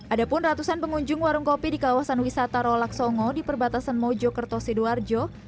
adapun ratusan pengunjung warung kopi di kawasan wisata rolak songo di perbatasan mojo kertosidawarjo